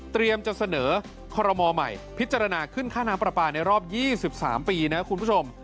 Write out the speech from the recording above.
จะเสนอคอรมอลใหม่พิจารณาขึ้นค่าน้ำปลาปลาในรอบ๒๓ปีนะคุณผู้ชม